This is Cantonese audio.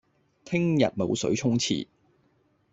聽日冇水沖廁